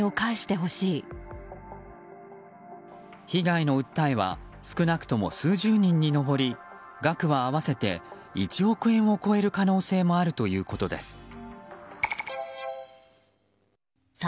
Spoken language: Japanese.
被害の訴えは少なくとも数十人に上り額は合わせて１億円を超える可能性もあるということです。